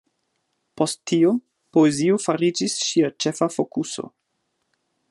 Post tio, poezio fariĝis ŝia ĉefa fokuso.